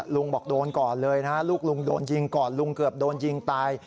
ลุงบอกโดนก่อนเลยนะลูกลุงโดนยิงก่อนลุงเกือบโดนยิงตาย